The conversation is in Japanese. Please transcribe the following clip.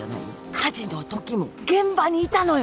火事の時も現場にいたのよ